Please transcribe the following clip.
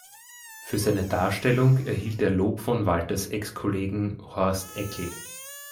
Für seine Darstellung erhielt er Lob von Walters Ex-Kollegen Horst Eckel.